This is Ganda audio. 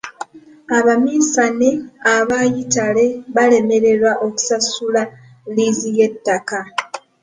Abaminsane aba yitale baalemererwa okusasula liizi y'ettaka.